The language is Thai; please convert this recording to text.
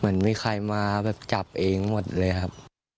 เหมือนมีใครมาแบบจับเองหมดเลยครับ